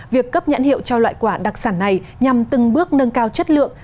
việc cấp nhãn hiệu cho loại quả đặc sản này nhằm từng bước nâng cao chất lượng